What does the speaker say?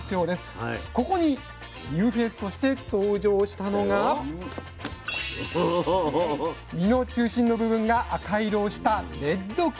ここにニューフェースとして登場したのが実の中心の部分が赤色をしたレッドキウイ。